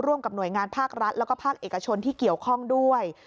กับหน่วยงานภาครัฐแล้วก็ภาคเอกชนที่เกี่ยวข้องด้วย